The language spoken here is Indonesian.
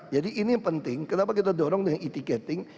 jadi ini yang penting kenapa kita dorong dengan e ticketing